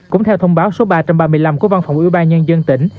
cũng theo thông báo số ba trăm ba mươi năm của văn phòng ubnd tỉnh